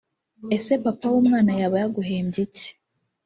Ese papa w'umwana yaba yaguhembye iki